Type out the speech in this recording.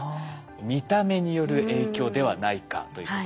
見た目による影響ではないかということですね。